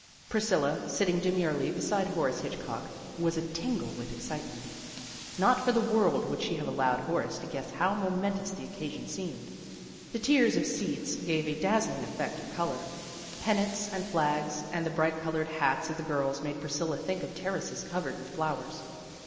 Priscilla, sitting demurely beside Horace Hitchcock, was a tin gle with excitement. Not for the world would she have allowed Horace to guess how momen tous the occasion seemed. The tiers of seats gave a dazzling effect of color. Pennants and flags and the bright colored hats of the girls made Priscilla think of terraces covered with flowers.